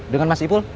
dengan mas ipul